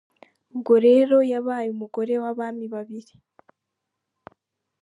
Ubwo rero yabaye umugore w’abami babiri.